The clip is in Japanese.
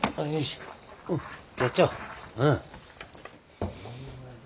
うん。